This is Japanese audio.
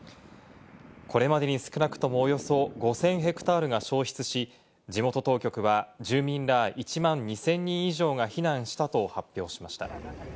これまでに少なくともおよそ５０００ヘクタールが焼失し、地元当局は住民ら１万２０００人以上が避難したと発表しました。